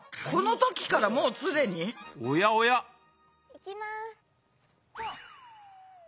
いきます。